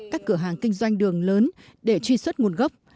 các cửa hàng kinh doanh đường lớn để truy xuất nguồn gốc